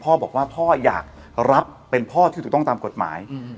พ่อบอกว่าพ่ออยากรับเป็นพ่อที่ถูกต้องตามกฎหมาย